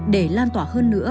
để lan tỏa hơn nữa